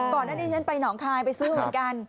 ก่อนหน้านี้ฉันไปหนองคายไปซื้อเหมือนกัน